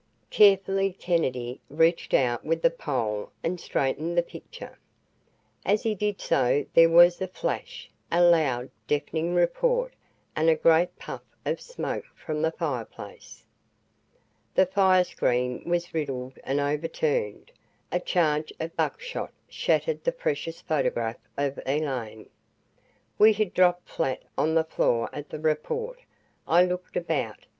Carefully Kennedy reached out with the pole and straightened the picture. As he did so there was a flash, a loud, deafening report, and a great puff of smoke from the fireplace. The fire screen was riddled and overturned. A charge of buckshot shattered the precious photograph of Elaine. We had dropped flat on the floor at the report. I looked about.